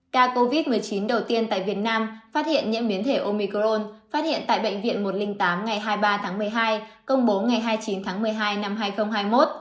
ca covid một mươi chín đầu tiên tại việt nam phát hiện nhiễm biến thể omicron phát hiện tại bệnh viện một trăm linh tám ngày hai mươi ba tháng một mươi hai công bố ngày hai mươi chín tháng một mươi hai năm hai nghìn hai mươi một